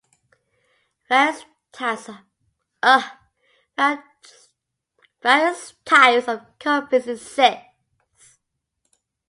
Various types of copings exist.